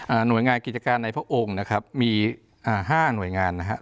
หน่วยงานกิจการในพระองค์นะครับมีอ่าห้าหน่วยงานนะฮะ